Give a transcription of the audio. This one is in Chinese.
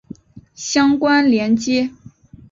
相关连结